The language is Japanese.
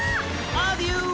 アデュー！